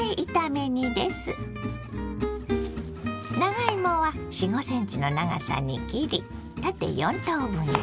長芋は４５ｃｍの長さに切り縦４等分に。